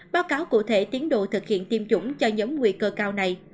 báo cáo cụ thể tiến độ thực hiện tiêm chủng cho nhóm nguy cơ cao này